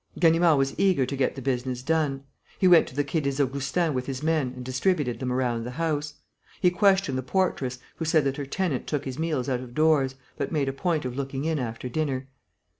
Ganimard was eager to get the business done. He went to the Quai des Augustins with his men and distributed them around the house. He questioned the portress, who said that her tenant took his meals out of doors, but made a point of looking in after dinner.